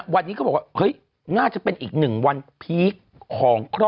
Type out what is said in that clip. วันนี้ก็บอกว่าง่าจะเป็นอีกหนึ่งวันพีค